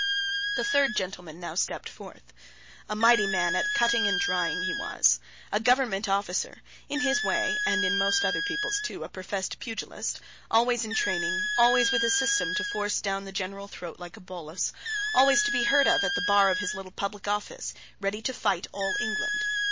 The third gentleman now stepped forth. A mighty man at cutting and drying, he was; a government officer; in his way (and in most other people's too), a professed pugilist; always in training, always with a system to force down the general throat like a bolus, always to be heard of at the bar of his little Public office, ready to fight all England.